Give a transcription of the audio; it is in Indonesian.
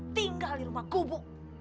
tinggal di rumah kubuk